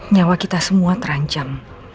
nyawa kita semua terancam